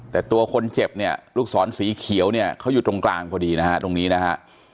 แต่ตัวคนเจ็บเนี่ยลูกศรสีเขียวเนี่ยเขาอยู่ตรงกลางพอดีนะฮะตรงนี้นะฮะ